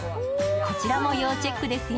こちらも要チェックですよ。